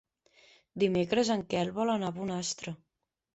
Dimecres en Quel vol anar a Bonastre.